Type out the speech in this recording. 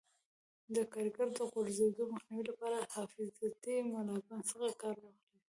د کاریګرو د غورځېدو مخنیوي لپاره حفاظتي ملابند څخه کار واخلئ.